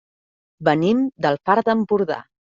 Venim del Far d'Empordà.